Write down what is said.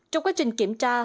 trong quá trình kiểm tra